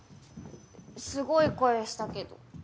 すごい声したけど。